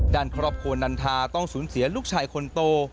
ด้านครอบครัวนันทาต้องสูญเสียลูกชายคนโต